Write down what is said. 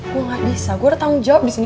gue gak bisa gue ada tanggung jawab disini